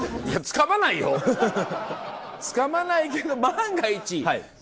つかまないけど万が一。